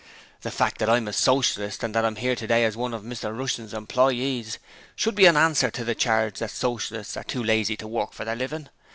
'The fact that I am a Socialist and that I am here today as one of Mr Rushton's employees should be an answer to the charge that Socialists are too lazy to work for their living.